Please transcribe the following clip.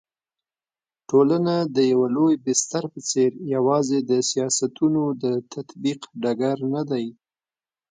ټولنه د يوه لوی بستر په څېر يوازي د سياستونو د تطبيق ډګر ندی